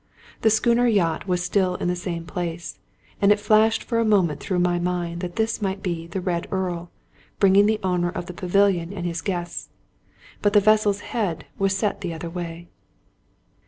The schooner yacht was still in the same place; and it flashed for a moment through my mind that this might be the " Red Earl " bringing the owner of the pavilion and his* guests. But the vessel's head was set the other way.